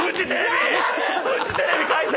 フジテレビ回線。